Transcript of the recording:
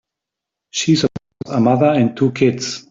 She supports a mother and two kids.